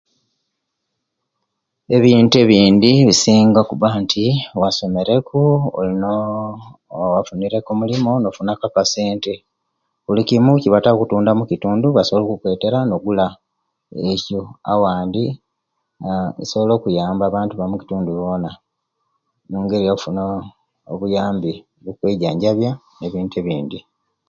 Ebintu ebiindi bisinga okubanti, wasomereku, olinoo wafunireku omulimu nofunaku akasente, bulikimu ekibataka okutunda basobola okukwetera nogula; ekyo, awandi nsobola okuyamba abantu abomukitundu boona, omungeri yokufuna obuyambi; nokweejjanjabya, nebintu ebiindi.